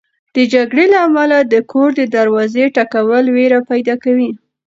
د جګړې له امله د کور د دروازې ټکول وېره پیدا کوي.